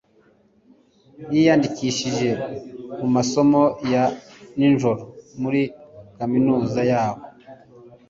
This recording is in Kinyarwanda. yiyandikishije mu masomo ya nijoro muri kaminuza yaho